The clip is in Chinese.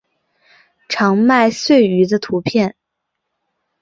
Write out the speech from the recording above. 长麦穗鱼的图片